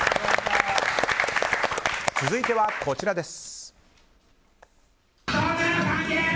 続いては、こちらです。